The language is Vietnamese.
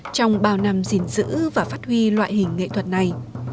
trong bao năm gìn giữ và phát huy loại hình nghệ thuật này